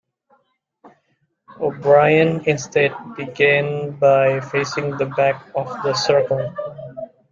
O'Brien instead began by facing the back of the circle.